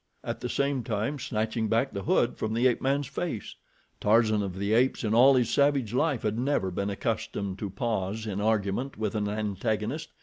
at the same time snatching back the hood from the ape man's face. Tarzan of the Apes in all his savage life had never been accustomed to pause in argument with an antagonist.